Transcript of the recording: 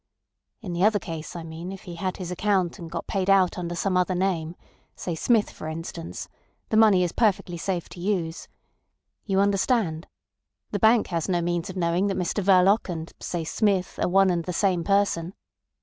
In the other case I mean if he had his account and got paid out under some other name—say Smith, for instance—the money is perfectly safe to use. You understand? The bank has no means of knowing that Mr Verloc and, say, Smith are one and the same person.